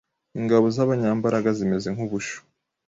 ingabo zabanyambaraga zimeze nkubusho